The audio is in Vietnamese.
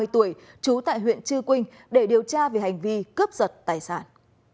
ba mươi tuổi trú tại huyện chư quynh để điều tra về hành vi cướp giật tài sản